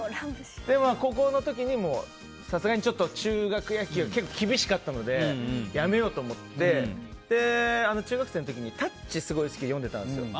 高校の時にさすがに中学野球が結構厳しかったのでやめようと思って中学生の時に「タッチ」がすごく好きで読んでいたんですよ